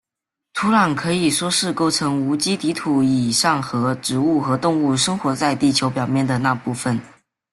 土壤可以说是构成无机底土以上和植物和动物生活在地球表面的那部分。